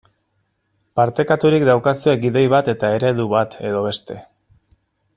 Partekaturik daukazue gidoi bat eta eredu bat edo beste.